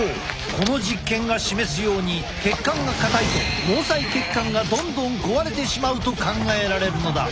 この実験が示すように血管が硬いと毛細血管がどんどん壊れてしまうと考えられるのだ。